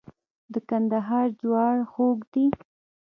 د کندهار جوار خوږ دي.